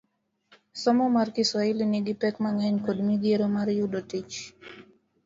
Somo mar Kiswahili nigi pek mang'eny kod midhiero mar yudo tich